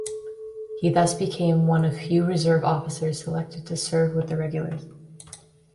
He thus became one of few reserve officers selected to serve with the regulars.